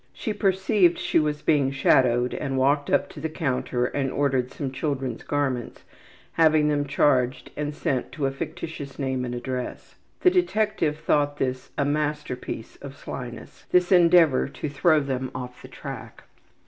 She perceived she was being shadowed and walked up to the counter and ordered some children's garments, having them charged and sent to a fictitious name and address. The detective thought this a masterpiece of slyness, this endeavor to throw them off the track.